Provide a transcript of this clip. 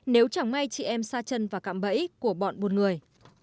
nếu chẳng may chị em xa chân và cạm bẫy của bọn buôn người